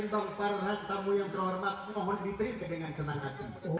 ini saya sama koro me suara koro me hatinya udah pada gila